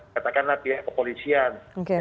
katakanlah pihak kepolisian